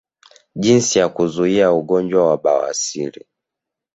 Jinsi ya kuzuia ugonjwa wa bawasiri